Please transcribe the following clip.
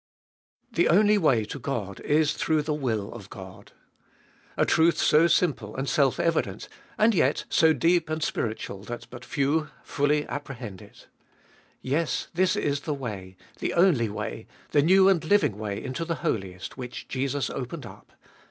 1. The only way to God is through the will of God. A truth so simple and self evident ! and yet so deep and spiritual that but few fully apprehend it. Yes, this is the way, the only way, the new and living way into the Holiest which Jesus opened up.